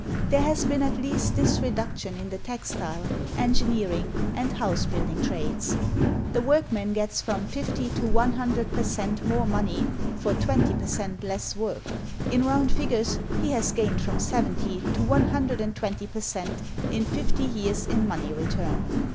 There has been at least this reduction in the textile, engineering, and house building trades. The workman gets from 50 to 100 per cent more money for 20 per cent less work; in round figures he has gained from 70 to 120 per cent in fifty years in money return.